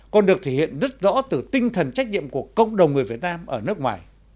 còn được thể hiện rất rõ từ tinh thần trách nhiệm của cộng đồng người việt nam ở nước ngoài